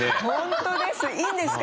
本当です。